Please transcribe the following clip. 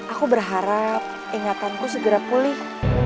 aku berharap ingatanku segera pulih